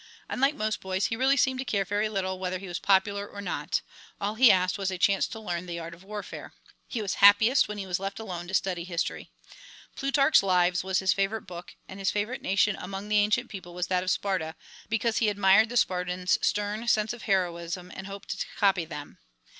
Unlike most boys he really seemed to care very little whether he was popular or not; all he asked was a chance to learn the art of warfare. He was happiest when he was left alone to study history. Plutarch's "Lives" was his favorite book, and his favorite nation among the ancient peoples was that of Sparta, because he admired the Spartans' stern sense of heroism and hoped to copy them.